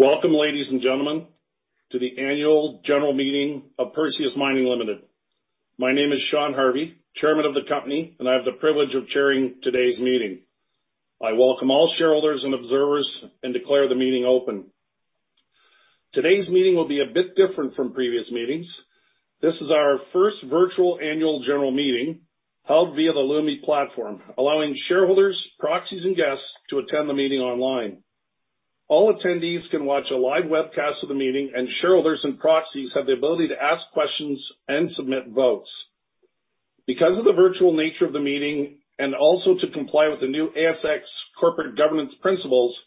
Welcome, ladies and gentlemen, to the annual general meeting of Perseus Mining Limited. My name is Sean Harvey, chairman of the company, and I have the privilege of chairing today's meeting. I welcome all shareholders and observers and declare the meeting open. Today's meeting will be a bit different from previous meetings. This is our first virtual annual general meeting, held via the Lumi platform, allowing shareholders, proxies, and guests to attend the meeting online. All attendees can watch a live webcast of the meeting, and shareholders and proxies have the ability to ask questions and submit votes. Because of the virtual nature of the meeting, and also to comply with the new ASX corporate governance principles,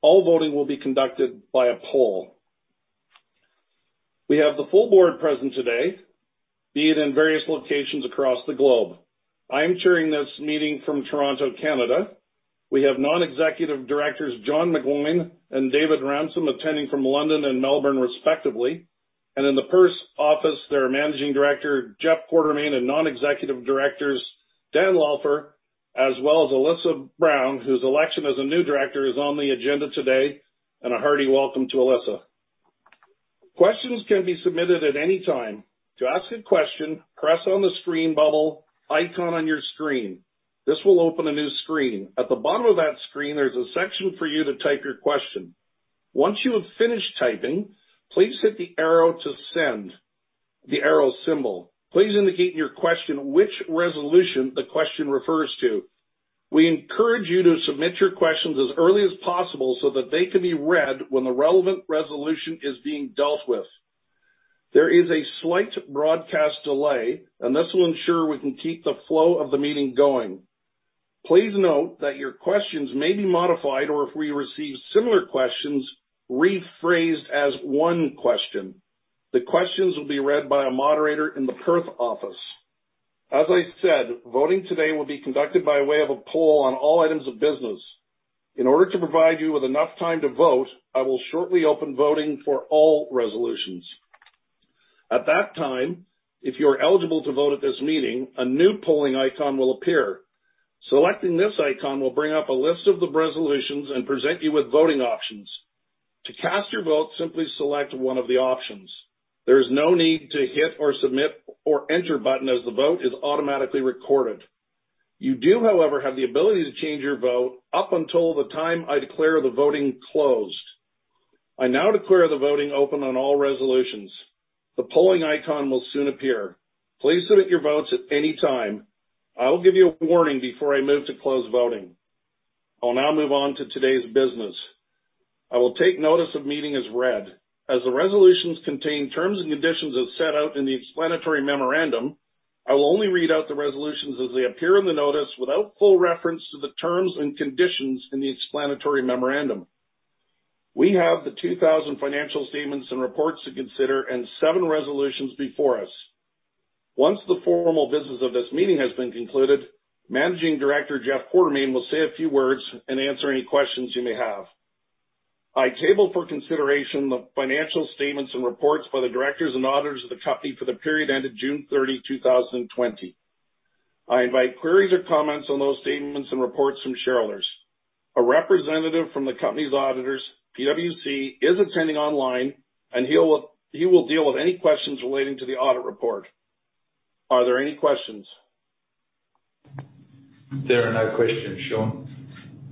all voting will be conducted by a poll. We have the full board present today, be it in various locations across the globe. I am chairing this meeting from Toronto, Canada. We have non-executive directors, John McGloin and David Ransom, attending from London and Melbourne respectively. In the Perth office, their managing director, Jeff Quartermaine, and non-executive directors, Daniel Lougher, as well as Elissa Brown, whose election as a new director is on the agenda today. A hearty welcome to Elissa. Questions can be submitted at any time. To ask a question, press on the screen bubble icon on your screen. This will open a new screen. At the bottom of that screen, there's a section for you to type your question. Once you have finished typing, please hit the arrow to send, the arrow symbol. Please indicate in your question which resolution the question refers to. We encourage you to submit your questions as early as possible so that they can be read when the relevant resolution is being dealt with. There is a slight broadcast delay, and this will ensure we can keep the flow of the meeting going. Please note that your questions may be modified or, if we receive similar questions, rephrased as one question. The questions will be read by a moderator in the Perth office. As I said, voting today will be conducted by way of a poll on all items of business. In order to provide you with enough time to vote, I will shortly open voting for all resolutions. At that time, if you're eligible to vote at this meeting, a new polling icon will appear. Selecting this icon will bring up a list of the resolutions and present you with voting options. To cast your vote, simply select one of the options. There is no need to hit or submit or enter button as the vote is automatically recorded. You do, however, have the ability to change your vote up until the time I declare the voting closed. I now declare the voting open on all resolutions. The polling icon will soon appear. Please submit your votes at any time. I will give you a warning before I move to close voting. I will now move on to today's business. I will take notice of meeting as read. As the resolutions contain terms and conditions as set out in the explanatory memorandum, I will only read out the resolutions as they appear in the notice without full reference to the terms and conditions in the explanatory memorandum. We have the 2,000 financial statements and reports to consider and seven resolutions before us. Once the formal business of this meeting has been concluded, Managing Director Jeff Quartermaine will say a few words and answer any questions you may have. I table for consideration the financial statements and reports by the directors and auditors of the company for the period ended June 30, 2020. I invite queries or comments on those statements and reports from shareholders. A representative from the company's auditors, PricewaterhouseCoopers, is attending online, and he will deal with any questions relating to the audit report. Are there any questions? There are no questions, Sean.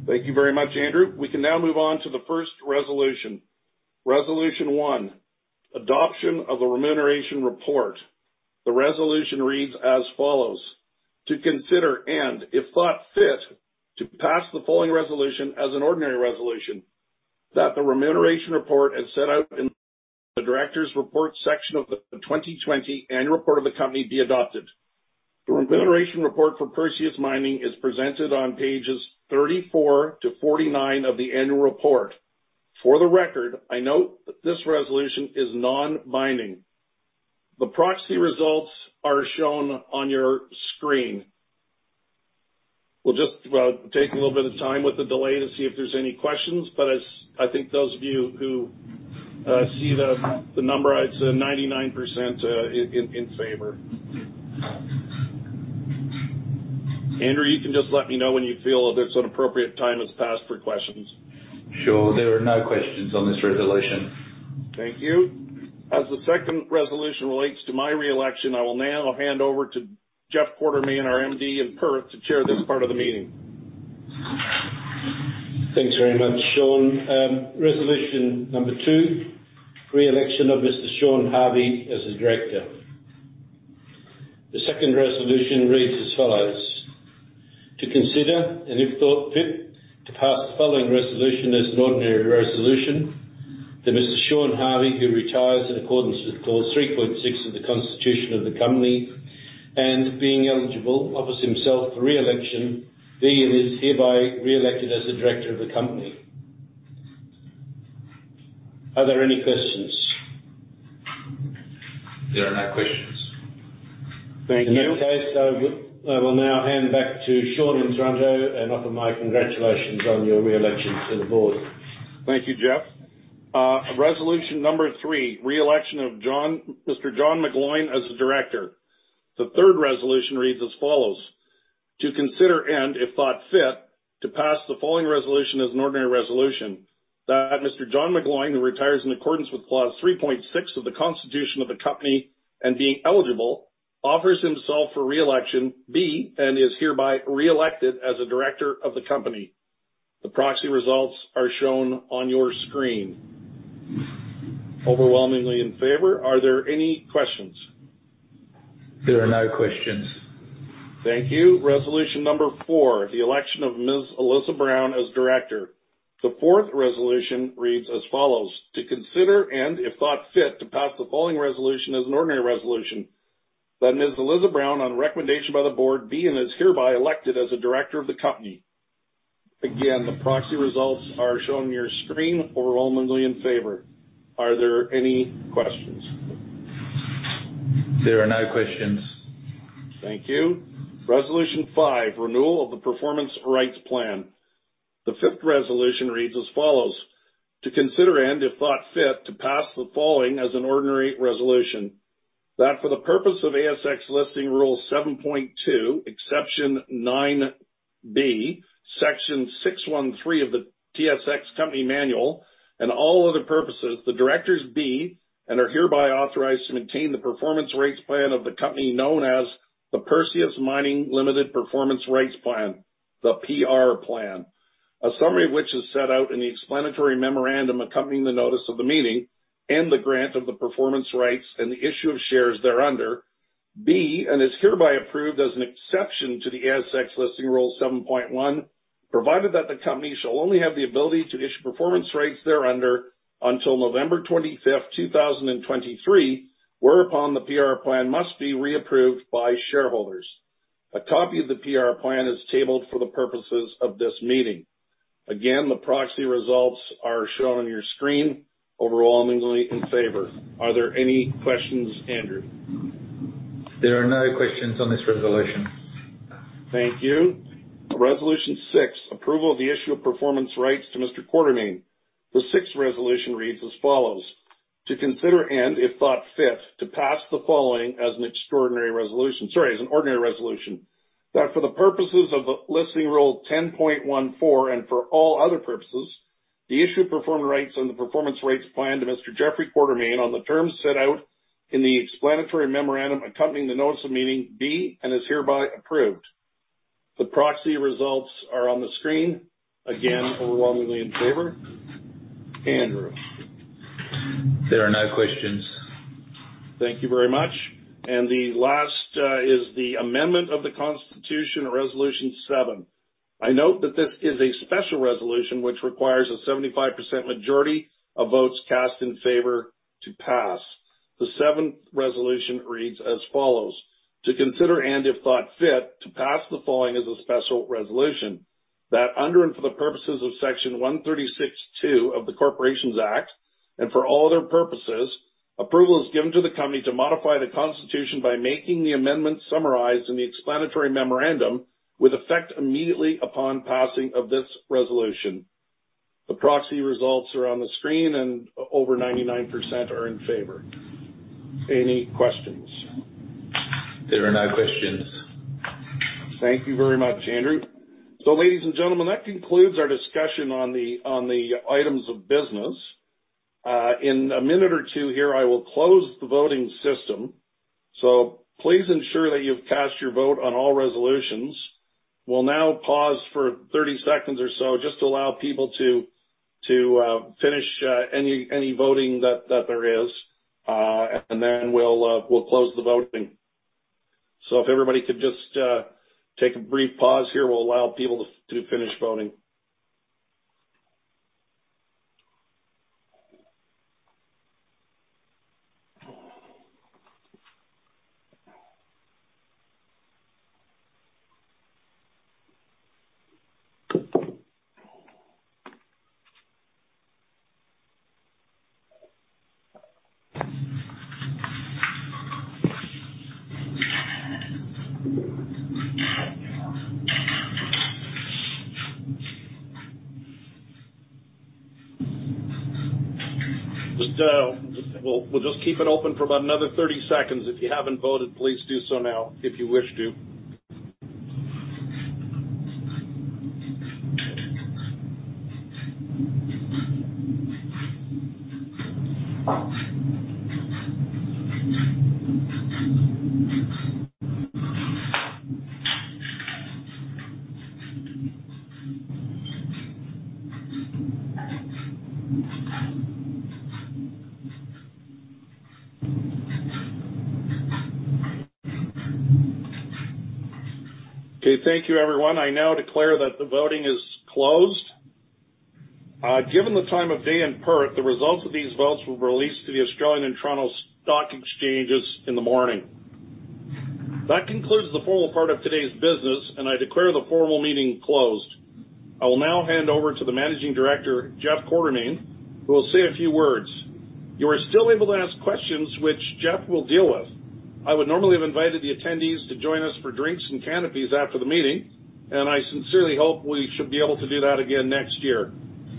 Thank you very much, Andrew. We can now move on to the first resolution. Resolution one, adoption of the remuneration report. The resolution reads as follows, to consider and, if thought fit, to pass the following resolution as an ordinary resolution that the remuneration report, as set out in the directors report section of the 2020 annual report of the company, be adopted. The remuneration report for Perseus Mining is presented on pages 34 to 49 of the annual report. For the record, I note that this resolution is non-binding. The proxy results are shown on your screen. We'll just take a little bit of time with the delay to see if there's any questions, but as I think those of you who see the number, it's 99% in favor. Andrew, you can just let me know when you feel that an appropriate time has passed for questions. Sure. There are no questions on this resolution. Thank you. As the second resolution relates to my re-election, I will now hand over to Jeff Quartermaine, our MD in Perth, to chair this part of the meeting. Thanks very much, Sean. Resolution number 2, re-election of Mr. Sean Harvey as a director. The second resolution reads as follows, to consider and, if thought fit, to pass the following resolution as an ordinary resolution that Mr. Sean Harvey, who retires in accordance with clause 3.6 of the constitution of the company and being eligible, offers himself for re-election, be it is hereby re-elected as a director of the company. Are there any questions? There are no questions. Thank you. In that case, I will now hand back to Sean in Toronto and offer my congratulations on your re-election to the board. Thank you, Jeff. Resolution number three, re-election of Mr. John McGloin as a director. The third resolution reads as follows. To consider and, if thought fit, to pass the following resolution as an ordinary resolution. That Mr. John McGloin, who retires in accordance with clause 3.6 of the constitution of the company and being eligible, offers himself for re-election, be and is hereby re-elected as a director of the company. The proxy results are shown on your screen. Overwhelmingly in favor. Are there any questions? There are no questions. Thank you. Resolution number four, the election of Ms. Elissa Brown as director. The fourth resolution reads as follows: To consider and, if thought fit, to pass the following resolution as an ordinary resolution. That Ms. Elissa Brown, on recommendation by the board, be and is hereby elected as a director of the company. Again, the proxy results are shown on your screen, overwhelmingly in favor. Are there any questions? There are no questions. Thank you. Resolution five, renewal of the Performance Rights Plan. The fifth resolution reads as follows: To consider and, if thought fit, to pass the following as an ordinary resolution. For the purpose of ASX Listing Rule 7.2, exception 9B, Section 613 of the TSX Company Manual, and all other purposes, the directors be, and are hereby authorized to maintain the Performance Rights Plan of the company known as the Perseus Mining Limited Performance Rights Plan, the PR Plan. A summary of which is set out in the explanatory memorandum accompanying the notice of the meeting and the grant of the performance rights and the issue of shares thereunder, be and is hereby approved as an exception to the ASX Listing Rule 10.1, provided that the company shall only have the ability to issue performance rights thereunder until November 25th, 2023, whereupon the PR plan must be reapproved by shareholders. A copy of the PR plan is tabled for the purposes of this meeting. Again, the proxy results are shown on your screen, overwhelmingly in favor. Are there any questions, Andrew? There are no questions on this resolution. Thank you. Resolution six, approval of the issue of performance rights to Mr. Quartermaine. The sixth resolution reads as follows: To consider and, if thought fit, to pass the following as an extraordinary resolution. Sorry, as an ordinary resolution. That for the purposes of the ASX Listing Rule 10.14 and for all other purposes, the issue of performance rights and the Performance Rights Plan to Mr. Geoffrey Quartermaine on the terms set out in the explanatory memorandum accompanying the notice of meeting be and is hereby approved. The proxy results are on the screen. Again, overwhelmingly in favor. Andrew? There are no questions. Thank you very much. The last is the amendment of the constitution, resolution seven. I note that this is a special resolution which requires a 75% majority of votes cast in favor to pass. The seventh resolution reads as follows: To consider and, if thought fit, to pass the following as a special resolution. That under and for the purposes of Section 136(2) of the Corporations Act, and for all other purposes, approval is given to the company to modify the constitution by making the amendment summarized in the explanatory memorandum with effect immediately upon passing of this resolution. The proxy results are on the screen, and over 99% are in favor. Any questions? There are no questions. Thank you very much, Andrew. Ladies and gentlemen, that concludes our discussion on the items of business. In a minute or two here, I will close the voting system. Please ensure that you've cast your vote on all resolutions. We'll now pause for 30 seconds or so just to allow people to finish any voting that there is. We'll close the voting. If everybody could just take a brief pause here. We'll allow people to finish voting. We'll just keep it open for about another 30 seconds. If you haven't voted, please do so now if you wish to. Okay, thank you, everyone. I now declare that the voting is closed. Given the time of day in Perth, the results of these votes will be released to the Australian and Toronto stock exchanges in the morning. That concludes the formal part of today's business, and I declare the formal meeting closed. I will now hand over to the Managing Director, Jeff Quartermaine, who will say a few words. You are still able to ask questions, which Jeff will deal with. I would normally have invited the attendees to join us for drinks and canapes after the meeting. I sincerely hope we should be able to do that again next year.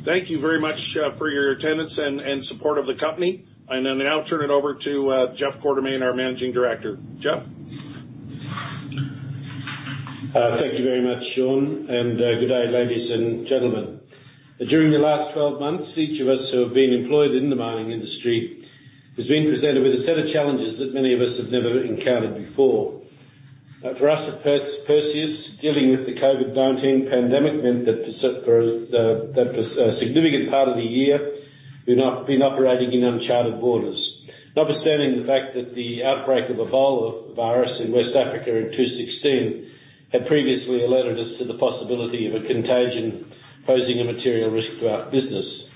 Thank you very much for your attendance and support of the company. I'll now turn it over to Jeff Quartermaine, our managing director. Jeff? Thank you very much, Sean, and good day, ladies and gentlemen. During the last 12 months, each of us who have been employed in the mining industry has been presented with a set of challenges that many of us have never encountered before. For us at Perseus, dealing with the COVID-19 pandemic meant that for a significant part of the year, we've been operating in uncharted waters. Notwithstanding the fact that the outbreak of Ebola virus in West Africa in 2016 had previously alerted us to the possibility of a contagion posing a material risk to our business.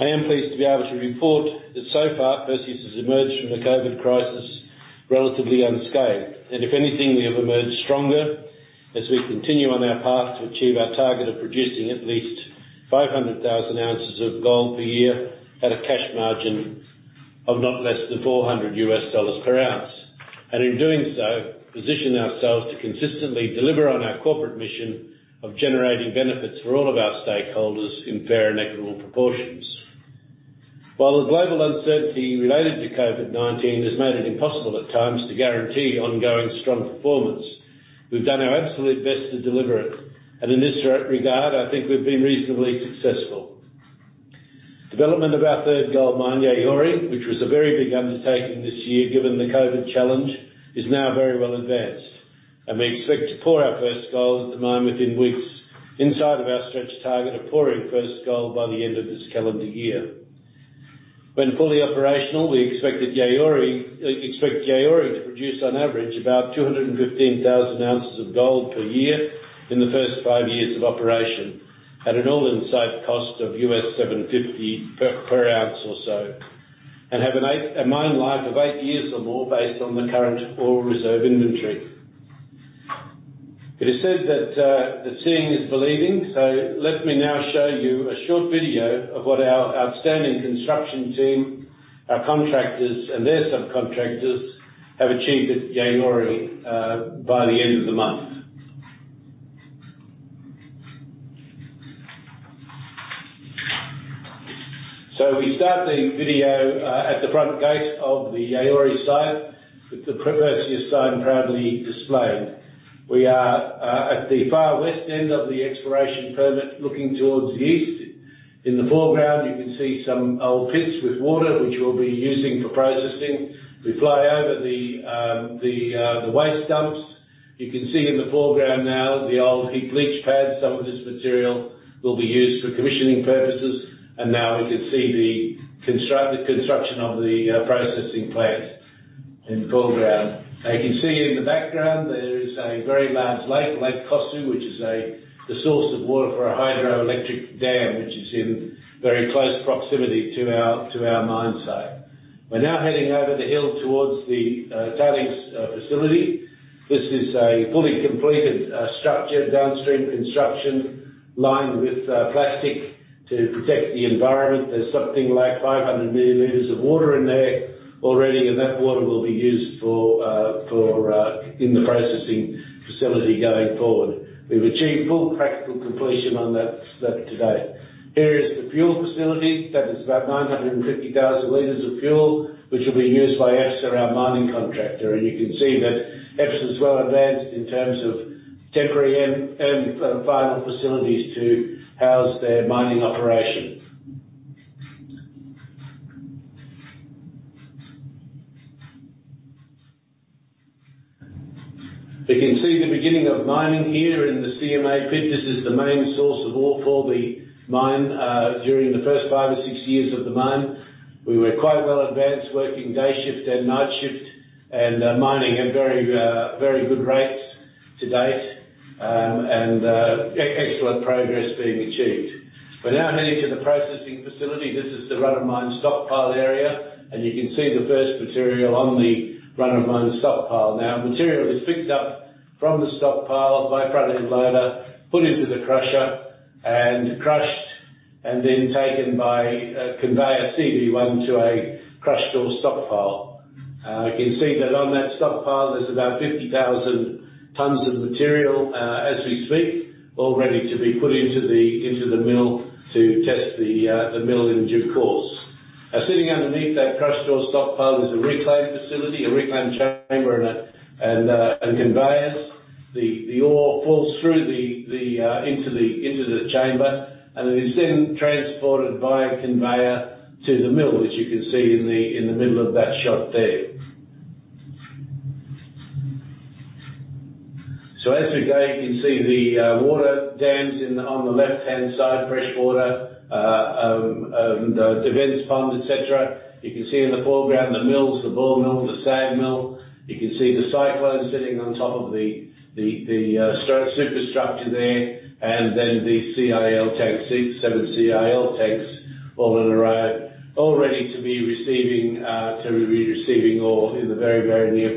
I am pleased to be able to report that so far, Perseus has emerged from the COVID crisis relatively unscathed. If anything, we have emerged stronger as we continue on our path to achieve our target of producing at least 500,000 ounces of gold per year at a cash margin of not less than $400 per ounce. In doing so, position ourselves to consistently deliver on our corporate mission of generating benefits for all of our stakeholders in fair and equitable proportions. While the global uncertainty related to COVID-19 has made it impossible at times to guarantee ongoing strong performance, we've done our absolute best to deliver it. In this regard, I think we've been reasonably successful. Development of our third gold mine, Yaouré, which was a very big undertaking this year given the COVID challenge, is now very well advanced. We expect to pour our first gold at the mine within weeks, inside of our stretch target of pouring first gold by the end of this calendar year. When fully operational, we expect Yaouré to produce on average about 215,000 ounces of gold per year in the first five years of operation at an all-in site cost of $750 per ounce or so, and have a mine life of eight years or more based on the current Ore Reserve inventory. It is said that seeing is believing, so let me now show you a short video of what our outstanding construction team, our contractors, and their subcontractors have achieved at Yaouré by the end of the month. We start the video at the front gate of the Yaouré site, with the Perseus sign proudly displayed. We are at the far west end of the exploration permit looking towards the east. In the foreground, you can see some old pits with water, which we'll be using for processing. We fly over the waste dumps. You can see in the foreground now the old heap leach pad. Some of this material will be used for commissioning purposes. Now we can see the construction of the processing plant in the foreground. Now, you can see in the background, there is a very large lake, Lake Kossou, which is the source of water for a hydroelectric dam, which is in very close proximity to our mine site. We're now heading over the hill towards the tailings facility. This is a fully completed structure, downstream construction, lined with plastic to protect the environment. There's something like 500 ML of water in there already. That water will be used in the processing facility going forward. We've achieved full practical completion on that to date. Here is the fuel facility. That is about 950,000 L of fuel, which will be used by EPSA, our mining contractor. You can see that EPSA is well advanced in terms of temporary and final facilities to house their mining operation. You can see the beginning of mining here in the CMA pit. This is the main source of ore for the mine during the first five or six years of the mine. We were quite well advanced, working day shift and night shift, and mining at very good rates to date, and excellent progress being achieved. We're now heading to the processing facility. This is the run of mine stockpile area, and you can see the first material on the run of mine stockpile now. Material is picked up from the stockpile by front end loader, put into the crusher, and crushed, and then taken by conveyor CV1 to a crushed ore stockpile. You can see that on that stockpile, there's about 50,000 tons of material as we speak, all ready to be put into the mill to test the mill in due course. Now, sitting underneath that crushed ore stockpile is a reclaim facility, a reclaim chamber, and conveyors. The ore falls through into the chamber, and it is then transported by a conveyor to the mill, which you can see in the middle of that shot there. As we go, you can see the water dams on the left-hand side, fresh water, the events pond, et cetera. You can see in the foreground the mills, the ball mill, the SAG mill. You can see the cyclone sitting on top of the superstructure there, then the CIL tanks, seven CIL tanks all in a row, all ready to be receiving ore in the very, very near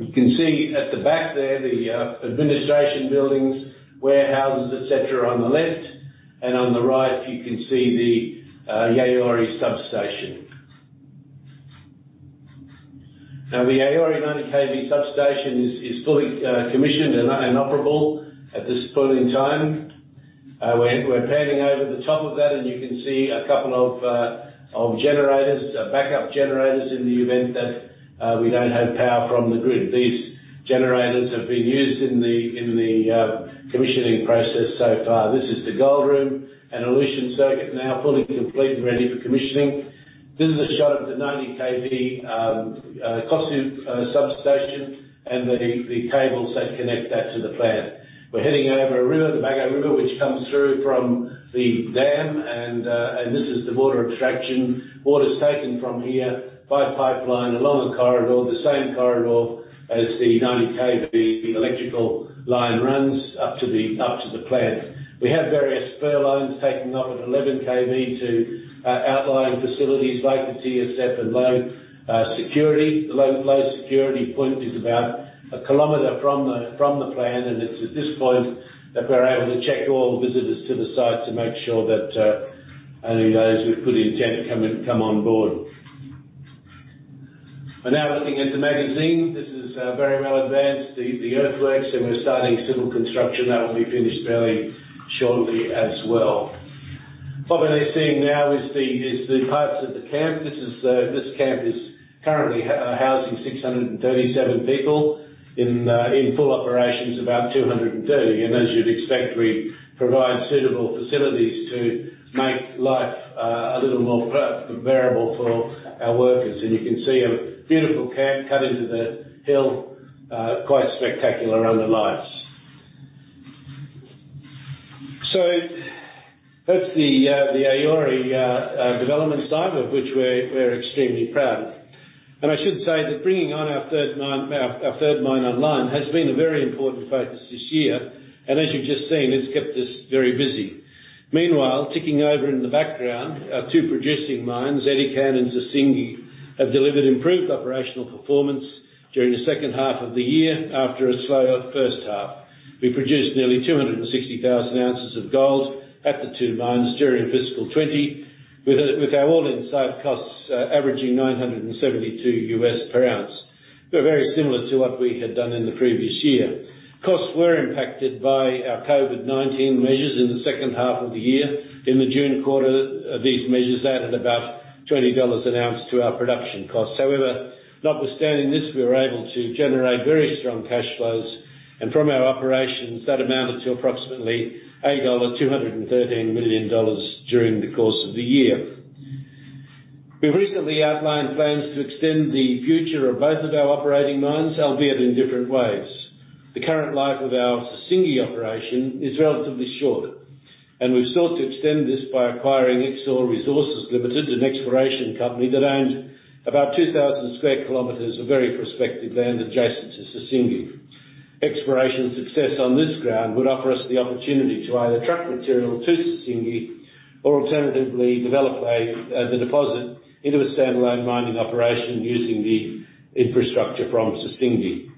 future. You can see at the back there the administration buildings, warehouses, et cetera, on the left, on the right, you can see the Yaouré substation. The Yaouré 90 kV substation is fully commissioned and operable at this point in time. We're panning over the top of that, you can see a couple of backup generators in the event that we don't have power from the grid. These generators have been used in the commissioning process so far. This is the gold room and elution circuit, now fully complete and ready for commissioning. This is a shot of the 90 kV Kossou substation and the cables that connect that to the plant. We're heading over a river, the Bandama River, which comes through from the dam, and this is the water extraction. Water's taken from here by a pipeline along the corridor, the same corridor as the 90 kV electrical line runs up to the plant. We have various spur lines taking off at 11 kV to outlying facilities like the TSF and low security. The low security point is about a kilometer from the plant, and it's at this point that we're able to check all visitors to the site to make sure that only those with good intent come on board. We're now looking at the magazine. This is very well advanced, the earthworks, and we're starting civil construction. That will be finished fairly shortly as well. What we are seeing now is the parts of the camp. This camp is currently housing 637 people. In full operations, about 230. As you'd expect, we provide suitable facilities to make life a little more bearable for our workers. You can see a beautiful camp cut into the hill, quite spectacular under lights. That's the Yaouré development site, of which we're extremely proud. I should say that bringing on our third mine online has been a very important focus this year. As you've just seen, it's kept us very busy. Ticking over in the background, our two producing mines, Edikan and Sissingué, have delivered improved operational performance during the second half of the year after a slower first half. We produced nearly 260,000 ounces of gold at the two mines during fiscal 2020, with our all-in site costs averaging $972 per ounce. We're very similar to what we had done in the previous year. Costs were impacted by our COVID-19 measures in the second half of the year. In the June quarter, these measures added about 20 dollars an ounce to our production cost. Notwithstanding this, we were able to generate very strong cash flows. From our operations, that amounted to approximately 213 million dollars during the course of the year. We've recently outlined plans to extend the future of both of our operating mines, albeit in different ways. The current life of our Sissingué operation is relatively short, and we've sought to extend this by acquiring Exore Resources Limited, an exploration company that owned about 2,000 square kilometers of very prospective land adjacent to Sissingué. Exploration success on this ground would offer us the opportunity to either truck material to Sissingué or alternatively develop the deposit into a standalone mining operation using the infrastructure from Sissingué.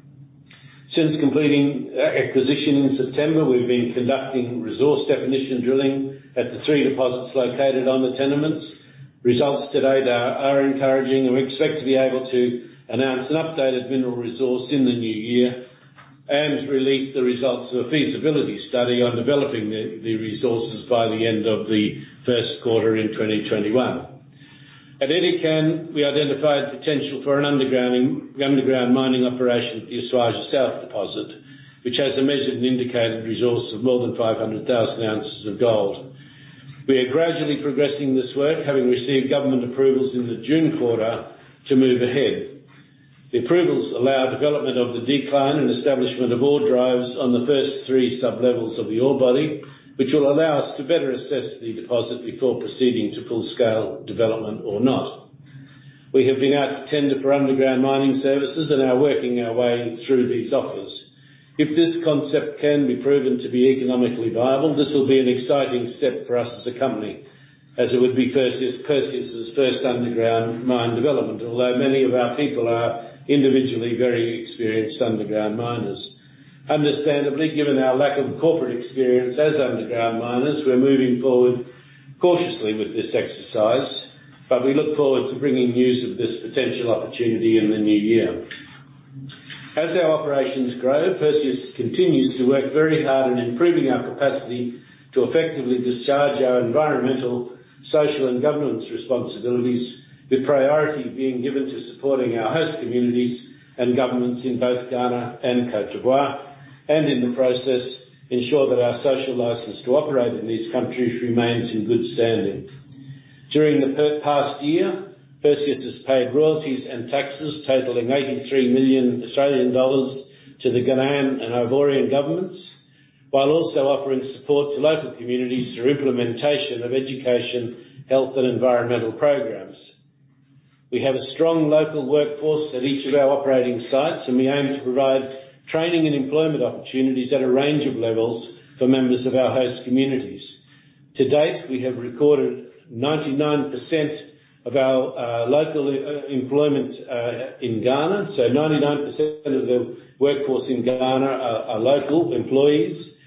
Since completing acquisition in September, we've been conducting resource definition drilling at the three deposits located on the tenements. Results to date are encouraging, we expect to be able to announce an updated Mineral Resource in the new year and release the results of a Feasibility Study on developing the resources by the end of the first quarter in 2021. At Edikan, we identified potential for an underground mining operation at the Esuajah South deposit, which has a measured and indicated resource of more than 500,000 ounces of gold. We are gradually progressing this work, having received government approvals in the June quarter to move ahead. The approvals allow development of the decline and establishment of ore drives on the first three sub-levels of the ore body, which will allow us to better assess the deposit before proceeding to full-scale development or not. We have been out to tender for underground mining services and are working our way through these offers. If this concept can be proven to be economically viable, this will be an exciting step for us as a company, as it would be Perseus' first underground mine development. Although, many of our people are individually very experienced underground miners. Understandably, given our lack of corporate experience as underground miners, we're moving forward cautiously with this exercise, but we look forward to bringing news of this potential opportunity in the new year. As our operations grow, Perseus continues to work very hard on improving our capacity to effectively discharge our environmental, social, and governance responsibilities, with priority being given to supporting our host communities and governments in both Ghana and Côte d'Ivoire, and in the process, ensure that our social license to operate in these countries remains in good standing. During the past year, Perseus has paid royalties and taxes totaling 83 million Australian dollars to the Ghanaian and Ivorian governments, while also offering support to local communities through implementation of education, health, and environmental programs. We have a strong local workforce at each of our operating sites, and we aim to provide training and employment opportunities at a range of levels for members of our host communities. To date, we have recorded 99% of our local employment in Ghana. 99% of the workforce in Ghana are local employees.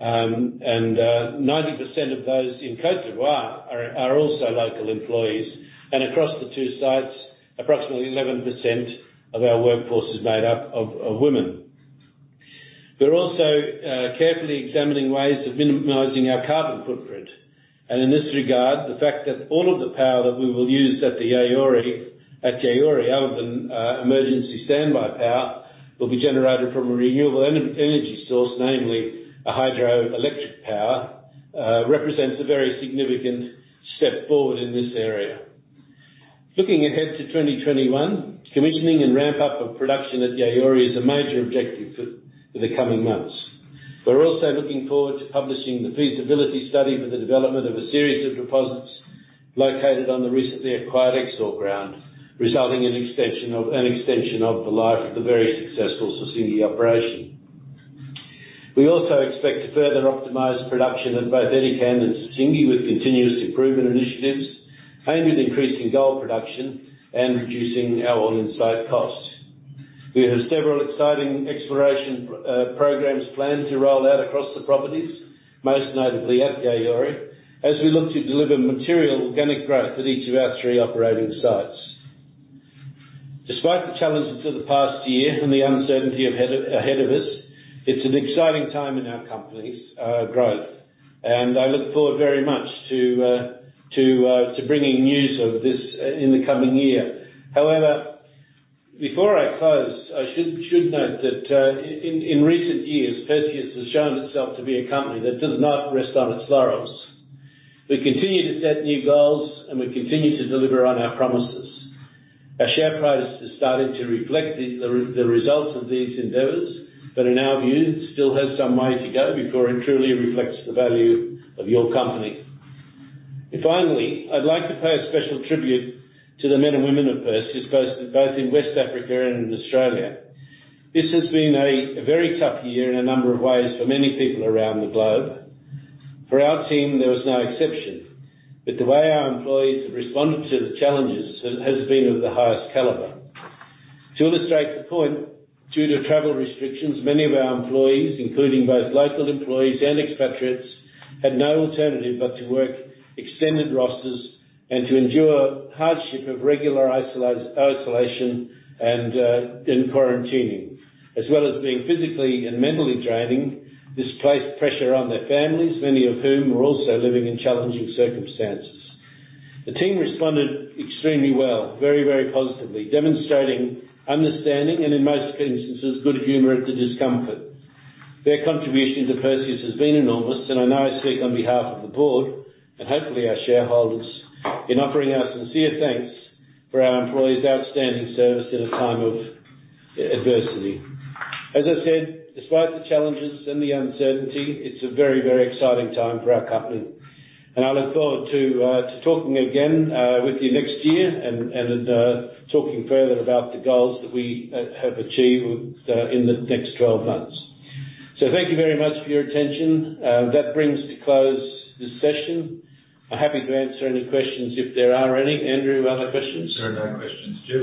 90% of those in Côte d'Ivoire are also local employees. Across the two sites, approximately 11% of our workforce is made up of women. We're also carefully examining ways of minimizing our carbon footprint. In this regard, the fact that all of the power that we will use at Yaouré, other than emergency standby power, will be generated from a renewable energy source, namely, a hydroelectric power, represents a very significant step forward in this area. Looking ahead to 2021, commissioning and ramp up of production at Yaouré is a major objective for the coming months. We're also looking forward to publishing the Feasibility Study for the development of a series of deposits located on the recently acquired Exore ground, resulting in an extension of the life of the very successful Sissingué operation. We also expect to further optimize production at both Edikan and Sissingué with continuous improvement initiatives aimed at increasing gold production and reducing our all-in site costs. We have several exciting exploration programs planned to roll out across the properties, most notably at Yaouré, as we look to deliver material organic growth at each of our three operating sites. Despite the challenges of the past year and the uncertainty ahead of us, it's an exciting time in our company's growth. I look forward very much to bringing news of this in the coming year. Before I close, I should note that in recent years, Perseus has shown itself to be a company that does not rest on its laurels. We continue to set new goals, we continue to deliver on our promises. Our share price is starting to reflect the results of these endeavors, but in our view, it still has some way to go before it truly reflects the value of your company. Finally, I'd like to pay a special tribute to the men and women of Perseus, both in West Africa and in Australia. This has been a very tough year in a number of ways for many people around the globe. For our team, there was no exception. The way our employees have responded to the challenges has been of the highest caliber. To illustrate the point, due to travel restrictions, many of our employees, including both local employees and expatriates, had no alternative but to work extended rosters and to endure hardship of regular isolation and in quarantining. As well as being physically and mentally draining, this placed pressure on their families, many of whom were also living in challenging circumstances. The team responded extremely well, very positively, demonstrating understanding and in most instances, good humor at the discomfort. Their contribution to Perseus has been enormous, and I know I speak on behalf of the board, and hopefully our shareholders, in offering our sincere thanks for our employees' outstanding service in a time of adversity. As I said, despite the challenges and the uncertainty, it's a very exciting time for our company. I look forward to talking again with you next year and talking further about the goals that we have achieved in the next 12 months. Thank you very much for your attention. That brings to close this session. I'm happy to answer any questions if there are any. Andrew, are there questions? There are no questions, Jeff.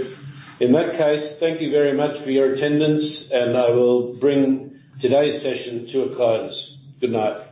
In that case, thank you very much for your attendance, and I will bring today's session to a close. Good night.